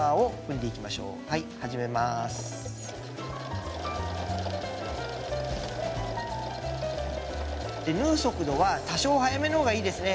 で縫う速度は多少速めの方がいいですね。